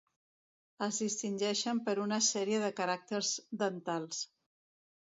Es distingeixen per una sèrie de caràcters dentals.